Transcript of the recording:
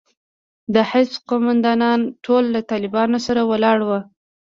د حزب قومندانان ټول له طالبانو سره ولاړ وو.